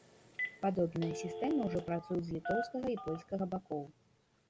Падобныя сістэмы ўжо працуюць з літоўскага і польскага бакоў.